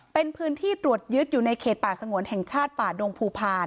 เป็นพื้นที่ตรวจยึดอยู่ในเขตป่าสงวนแห่งชาติป่าดงภูพาล